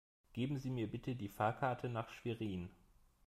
Geben Sie mir bitte die Fahrkarte nach Schwerin